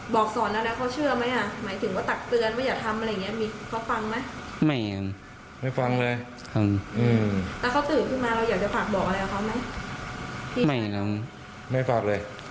บอกสอนแล้วะเค้าเชื่อไหมอ่ะหมายถึงว่าตักเตือนว่าอย่าทำอะไรอย่าง